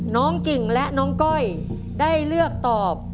กิ่งและน้องก้อยได้เลือกตอบ